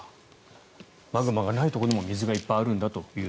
マグマがないところにも水がいっぱいあるんだと。